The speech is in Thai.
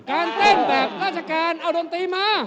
การเต้นแบบราชการเอาดนตรีมา